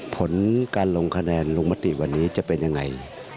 ผลการลงคะแนนลงมติวันนี้จะเป็นยังไง